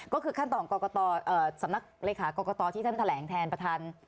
ก็คือขั้นตอนของกรกตสำนักเลขากรกตที่ท่านแถลงแทนประธาน